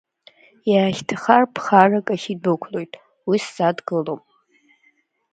Иаахьҭахар ԥхарак ахь идәықәлоит, уи сзадгылом.